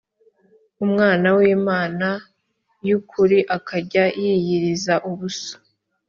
umwana w’imana y’ukuri akajya yiyiriza ubusa